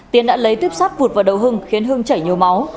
tiến đã lấy tiếp sát vụt vào đầu hưng khiến hưng chảy nhiều máu